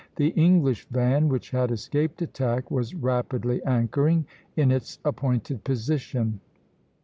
The English van, which had escaped attack, was rapidly anchoring (b) in its appointed position.